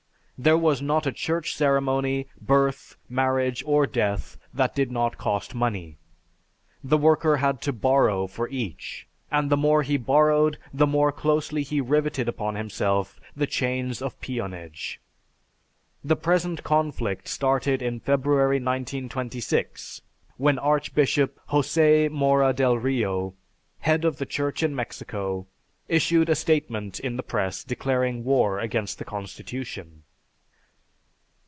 There was not a church ceremony, birth, marriage, or death, that did not cost money. The worker had to borrow for each; and the more he borrowed, the more closely he riveted upon himself the chains of peonage.... The present conflict started in February, 1926, when Archbishop Jose Mora del Rio, head of the Church in Mexico, issued a statement in the press declaring war against the Constitution."